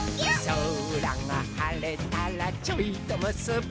「そらがはれたらちょいとむすび」